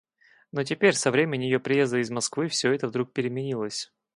Но теперь, со времени ее приезда из Москвы, всё это вдруг переменилось.